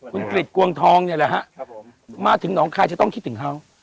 คุณกริจกวงทองเนี่ยแหละฮะมาถึงหนองคายจะต้องคิดถึงเขา